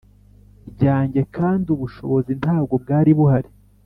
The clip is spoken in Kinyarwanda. ryanjye kandi ubushobozi ntabwo bwari buhari,